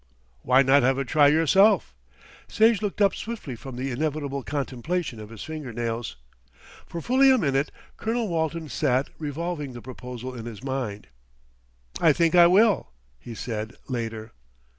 "Why not have a try yourself?" Sage looked up swiftly from the inevitable contemplation of his finger nails. For fully a minute Colonel Walton sat revolving the proposal in his mind. "I think I will," he said later.